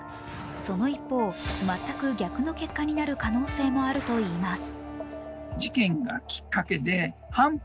その一方、全く逆の結果になる可能性もあるといいます。